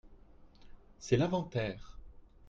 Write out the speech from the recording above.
C’est l’inventaire.